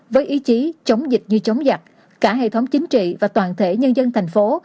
với ý chí chống dịch như chống giặc cả hệ thống chính trị và toàn thể nhân dân thành phố